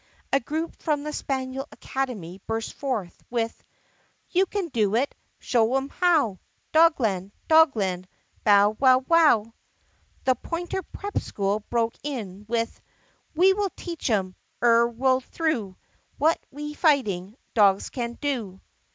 A group from the Spaniel Academy burst forth with : "You can do it ! Show 'em how ! Dogland ! Dogland ! Bow! wow! wow!" The Pointer Prep School broke in with: "We will teach 'em Ere we 're through What we fighting Dogs can do!"